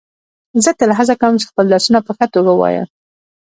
زه تل هڅه کوم چي خپل درسونه په ښه توګه ووایم.